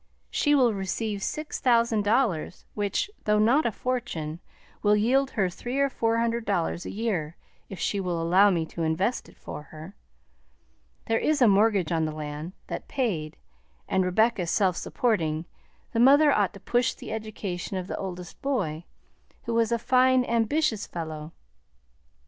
She will receive six thousand dollars, which, though not a fortune, will yield her three or four hundred dollars a year, if she will allow me to invest it for her. There is a mortgage on the land; that paid, and Rebecca self supporting, the mother ought to push the education of the oldest boy, who is a fine, ambitious fellow.